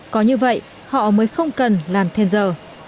có như vậy họ mới không cần làm thêm giờ